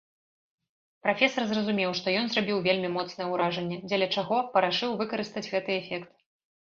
Прафесар зразумеў, што ён зрабіў вельмі моцнае ўражанне, дзеля чаго парашыў выкарыстаць гэты эфект.